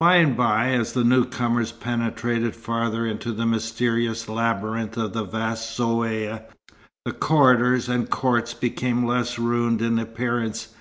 By and by, as the newcomers penetrated farther into the mysterious labyrinth of the vast Zaouïa, the corridors and courts became less ruined in appearance.